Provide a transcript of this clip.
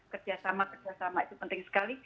kerjasama kerjasama itu penting sekali